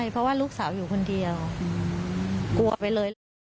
เพราะว่าลูกสาวอยู่คนเดียวกลัวไปเลยลูก